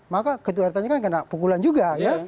maka ketua rt nya kan kena pukulan juga ya